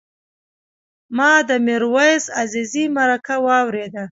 ما د میرویس عزیزي مرکه واورېده.